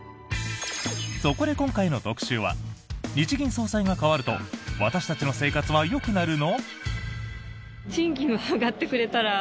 そこで今回の特集は日銀総裁が代わると私たちの生活はよくなるの？